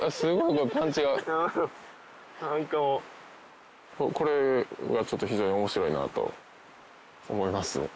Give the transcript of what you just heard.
これは非常に面白いなと思います。